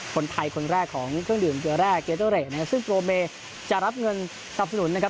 คนไทยคนแรกของเครื่องดื่มเกลือแร่เกโตเรดนะครับซึ่งโปรเมย์จะรับเงินสนับสนุนนะครับ